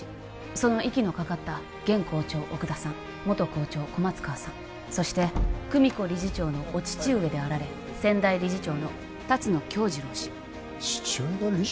その息のかかった現校長・奥田さん元校長・小松川さんそして久美子理事長のお父上であられ先代理事長の龍野恭二郎氏父親が理事？